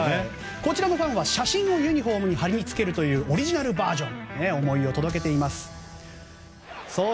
こちらのファンは写真をユニホームに貼り付けるというオリジナルバージョン。